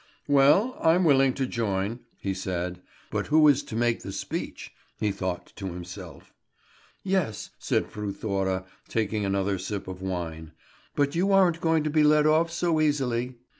"Well, I'm quite willing to join," he said. "But who is to make the speech?" he thought to himself. "Yes," said Fru Thora, taking another sip of wine. "But you aren't going to be let off so easily.